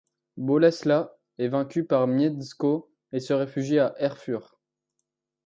Boleslas est vaincu par Mieszko et se réfugie à Erfurt.